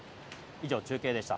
以上、中継でした。